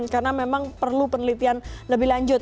karena memang perlu penelitian lebih lanjut